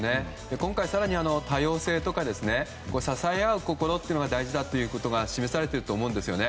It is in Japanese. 今回更に多様性とか支えあう心が大事だということが示されていると思うんですね。